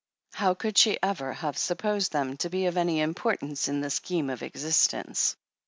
How could she ever have supposed them to be of my importance in the scheme of exist ence?